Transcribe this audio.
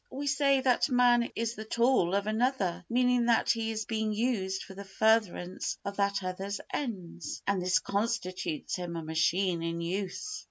We say that a man is the tool of another, meaning that he is being used for the furtherance of that other's ends, and this constitutes him a machine in use.